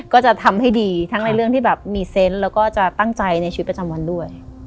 ก็จะทำให้ดีทั้งในเรื่องที่แบบมีเซนต์แล้วก็จะตั้งใจในชีวิตประจำวันด้วย